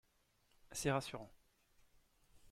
C’est rassurant